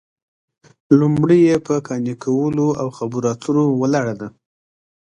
لومړۍ یې په قانع کولو او خبرو اترو ولاړه ده